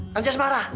kan jas marah